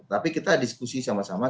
tapi kita diskusi sama sama